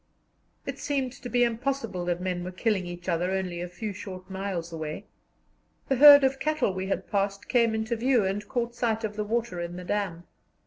It seemed to be impossible that men were killing each other only a few short miles away. The herd of cattle we had passed came into view, and caught sight of the water in the dam.